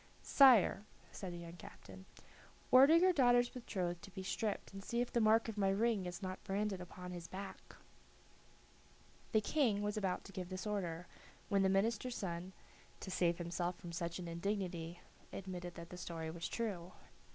"Sire," said the young captain, "order your daughter's betrothed to be stripped, and see if the mark of my ring is not branded upon his back." The King was about to give this order, when the minister's son, to save himself from such an indignity, admitted that the story was true.